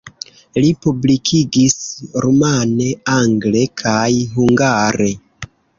Li publikigis rumane, angle kaj hungare.